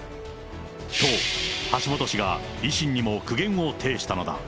と、橋下氏が維新にも苦言を呈したのだ。